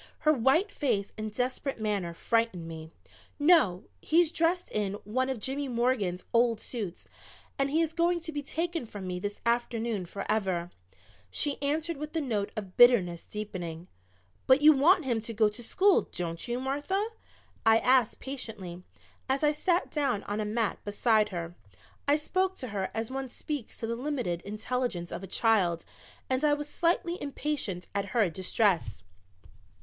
Her white face and desperate manner frightened me. "No, he's dressed in one of Jimmy Morgan's old suits and he is going to be taken from me this afternoon forever," she answered with the note of bitterness deepening. "But you want him to go to school, don't you, Martha?" I asked patiently, as I sat down on a mat beside her. I spoke to her as one speaks to the limited intelligence of a child and I was slightly impatient at her distress.